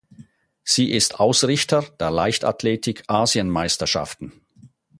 Sie ist Ausrichter der Leichtathletik-Asienmeisterschaften.